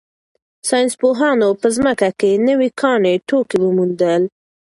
ساینس پوهانو په ځمکه کې نوي کاني توکي وموندل.